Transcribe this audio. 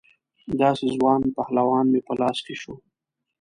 داسې ځوان پهلوان مې په لاس کې شو.